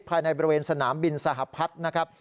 ภายในบริเวณสนามบินสหพัฒน์นะครับ